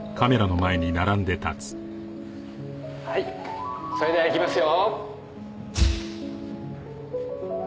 はいそれではいきますよ。